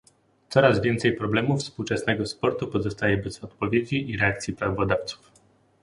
Coraz więcej problemów współczesnego sportu pozostaje bez odpowiedzi i reakcji prawodawców